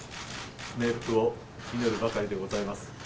冥福を祈るばかりでございます。